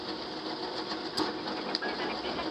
په لاس لیکل د کلتور او تمدن ساتل دي.